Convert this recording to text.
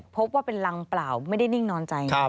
พบว่าเป็นรังเปล่าไม่ได้นิ่งนอนใจ